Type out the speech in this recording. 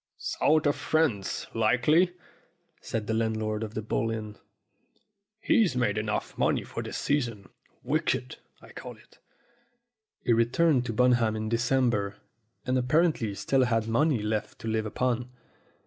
"South of France, likely," said the landlord of the Bull Inn. "He's made enough money for it this season. Wicked, I call it." He returned to Bunham in December, and appar ently still had money left to live upon.